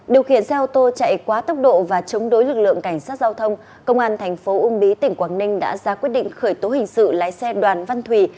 điều khiển xe ô tô chạy quá tốc độ và chống đối lực lượng cảnh sát giao thông công an thành phố uông bí tỉnh quảng ninh đã ra quyết định khởi tố hình sự lái xe đoàn văn thủy